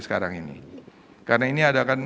sekarang ini karena ini akan